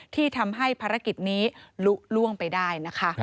ที่ทำให้ภารกิจนี้ลุล่วงไปได้นะคะ